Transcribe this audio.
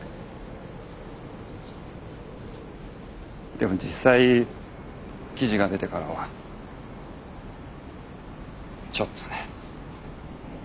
でも実際記事が出てからはちょっとね。